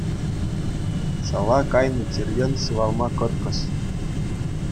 Шала кайнӑ чиртен сывалма кӑткӑс.